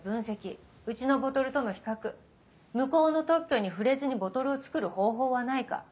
うちのボトルとの比較向こうの特許に触れずにボトルを作る方法はないか。